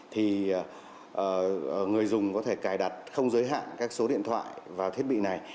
thì người dùng có thể cài đặt không giới hạn các số điện thoại vào thiết bị này